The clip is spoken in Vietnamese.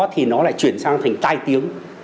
thì nó lại chuyển sang thành tai tiếng